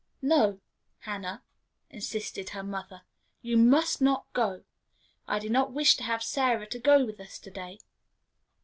"No, Hannah," insisted her mother, "you must not go. I don't wish to have Sarah go with us to day."